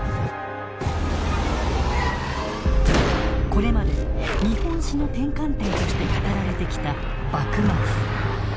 これまで日本史の転換点として語られてきた幕末。